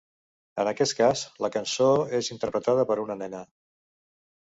En aquest cas, la cançó és interpretada per una nena.